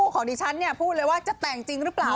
ของดิฉันพูดเลยว่าจะแต่งจริงหรือเปล่า